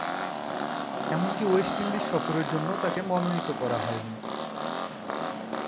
এমনকি West Indies সফরের জন্যও তাকে মনোনীত করা হয়নি।